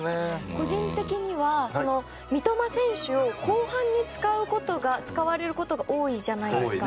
個人的には、三笘選手は後半に使われることが多いじゃないですか。